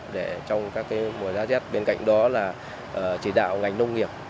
để trong các mùa giá rét bên cạnh đó là chỉ đạo ngành nông nghiệp